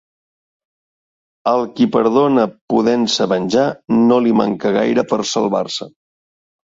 Al qui perdona podent-se venjar, no li manca gaire per salvar-se.